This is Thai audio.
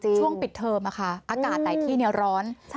ช่วงปิดเทิมอะค่ะอากาศไหนที่เนี่ยร้อน